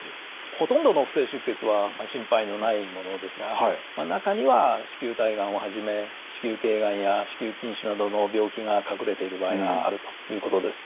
ほとんどの不正出血は心配のないものですが中には子宮体がんをはじめ子宮頸がんや子宮筋腫などの病気が隠れている場合があるということです。